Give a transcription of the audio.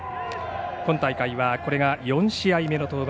今大会はこれが４試合目の登板。